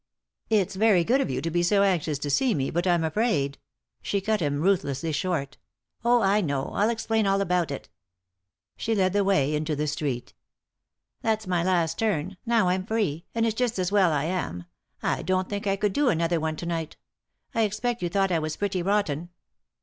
" It's very good of you to be so anxious to see me, but I'm afraid " She cut him ruthlessly short. " Oh, I know ; I'll explain all about it" She led the way into the street. " That's my last turn ; now I'm free, and it's just as well I am ; I don't think I could do another one to night I expect you thought I was pretty rotten."